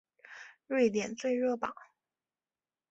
瑞典最热榜。